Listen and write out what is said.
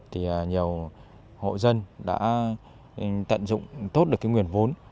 thì nhiều hộ dân đã tận dụng tốt được cái nguồn vốn